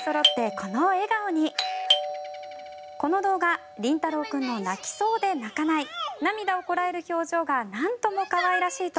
この動画、りんたろう君の泣きそうで泣かない涙をこらえる表情がなんとも可愛らしいと。